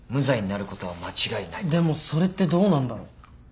でもそれってどうなんだろう？